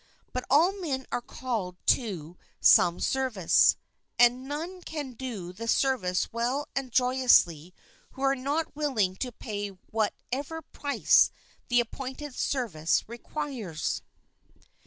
But all men are called to INTRODUCTION i i some service, and none can do the service well and joyously who are not willing to pay what ever price the appointed service requires.